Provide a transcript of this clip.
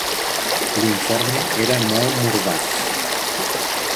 L'informe era molt mordaç.